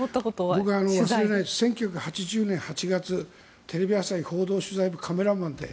僕は１９８０年８月テレビ朝日報道取材部カメラマンで。